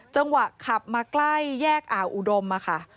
จังหวะขับมาใกล้แยกอ่าวอุดมค่ะ